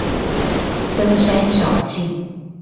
登山小徑